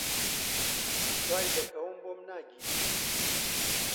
دوای دەکەوم، بۆم ناگیرێ